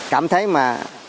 cảm thấy mà